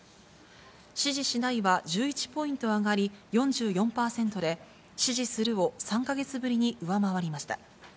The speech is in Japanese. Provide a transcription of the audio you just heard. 支持しないは１１ポイント上がり４４％で、支持するを３か月ぶりに上回りました。